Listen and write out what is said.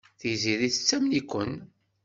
Tiziri tettamen-iken.